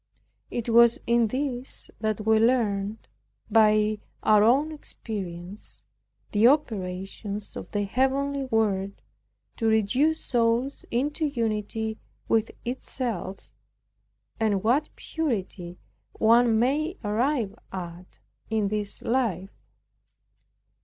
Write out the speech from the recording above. It was in this that we learned, by our own experience, the operations of the heavenly Word to reduce souls into unity with itself, and what purity one may arrive at in this life.